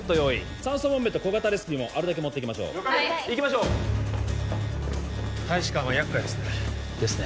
酸素ボンベと小型レスピもあるだけ持っていきましょう行きましょう大使館は厄介ですねですね